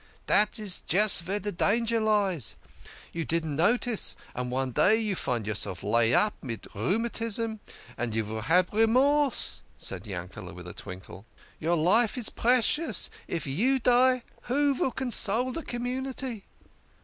" Dat's just vere de danger lays. You don't notice, and one day you find yourself laid up mid rheumatism, and you vill have Remorse," said Yankele' with a twinkle. "Your life is precious if you die, who vill console de com munity?